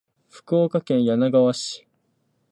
福岡県柳川市